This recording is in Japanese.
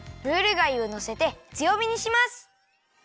ムール貝をのせてつよびにします。